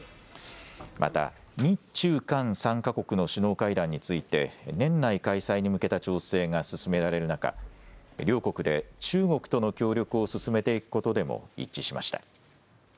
また日中韓３か国の首脳会談について年内開催に向けた調整が進められる中、両国で中国との協力を進めていくことでも一致しました。